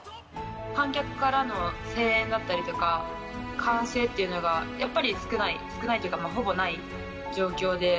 観客からの声援だったりとか、歓声っていうのが、やっぱり少ない、少ないというか、ほぼない状況で。